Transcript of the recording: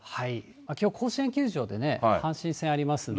きょう、甲子園球場で阪神戦ありますんで。